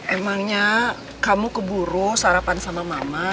emangnya kamu keburu sarapan sama mama